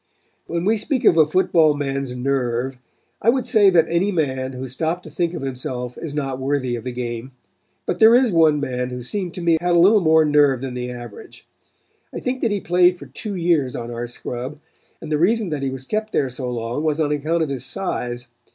"When we speak of a football man's nerve I would say that any man who stopped to think of himself is not worthy of the game, but there is one man who seemed to me had a little more nerve than the average. I think that he played for two years on our scrub, and the reason that he was kept there so long was on account of his size.